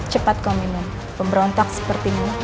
cepat kau minum pemberontak seperti ini